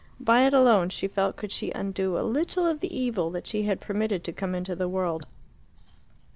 By it alone, she felt, could she undo a little of the evil that she had permitted to come into the world.